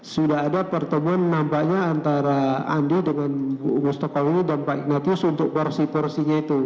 sudah ada pertemuan nampaknya antara andi dengan bu mustokowi dan pak ignatius untuk porsi porsinya itu